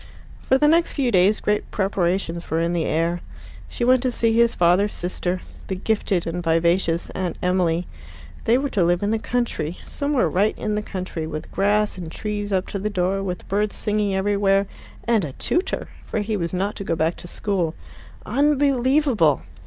For the next few days great preparations were in the air. She went to see his father's sister, the gifted and vivacious Aunt Emily. They were to live in the country somewhere right in the country, with grass and trees up to the door, and birds singing everywhere, and a tutor. For he was not to go back to school. Unbelievable!